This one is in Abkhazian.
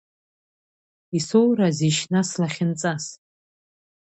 Исоуразишь нас лахьынҵас?